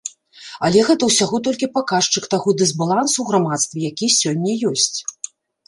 Але гэта ўсяго толькі паказчык таго дысбалансу ў грамадстве, які сёння ёсць.